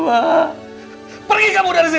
tapi kamu tidak bisa